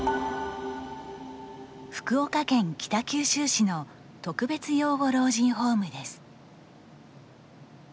福岡県北九州市の特別養護老人ホームです。